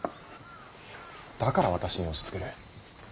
だから私に押しつける。